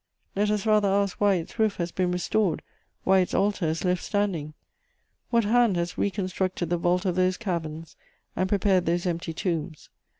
Let us rather ask why its roof has been restored, why its altar is left standing. What hand has reconstructed the vault of those caverns and prepared those empty tombs?